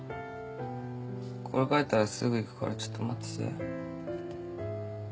これ書いたらすぐ行くからちょっと待ってて。